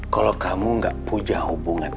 kalau kamu gak punya hubungan